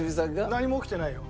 何も起きてないよ。